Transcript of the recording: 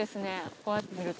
こうやって見ると。